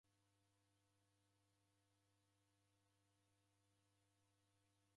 Ugho mpango ghokua iguri kuzoya.